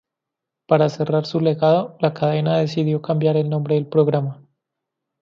Para cerrar su legado, la cadena decidió cambiar el nombre del programa.